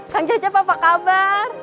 kang jacep apa kabar